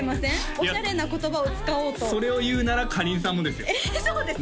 オシャレな言葉を使おうとそれを言うならかりんさんもですよえっそうですか？